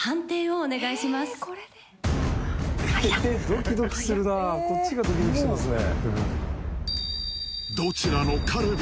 ドキドキするなぁこっちがドキドキしますね。